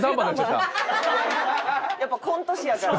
やっぱコント師やから。